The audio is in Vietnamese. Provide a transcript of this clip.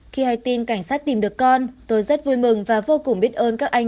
khi hay tin cảnh sát tìm được con tôi rất vui mừng và vô cùng biết ơn các anh